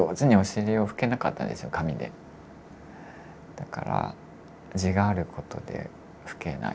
だから痔があることで拭けない。